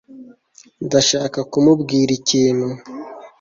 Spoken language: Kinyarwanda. Ndashaka kumubwira ikintu